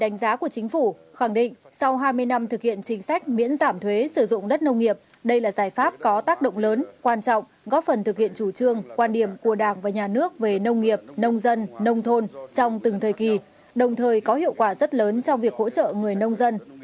đánh giá của chính phủ khẳng định sau hai mươi năm thực hiện chính sách miễn giảm thuế sử dụng đất nông nghiệp đây là giải pháp có tác động lớn quan trọng góp phần thực hiện chủ trương quan điểm của đảng và nhà nước về nông nghiệp nông dân nông thôn trong từng thời kỳ đồng thời có hiệu quả rất lớn trong việc hỗ trợ người nông dân